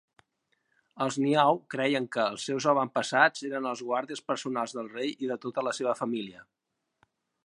Els Nyaw creien que els seus avantpassats eren els guàrdies personals del rei i de tota la seva família.